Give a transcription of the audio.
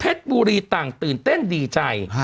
บุรีต่างตื่นเต้นดีใจ